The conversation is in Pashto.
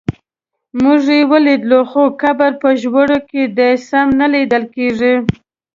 موږ یې ولیدلو خو قبر په ژورو کې دی سم نه لیدل کېږي.